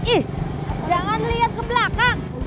ih jangan lihat ke belakang